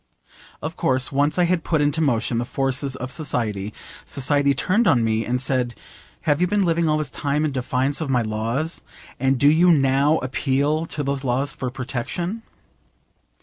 Of course once I had put into motion the forces of society, society turned on me and said, 'Have you been living all this time in defiance of my laws, and do you now appeal to those laws for protection?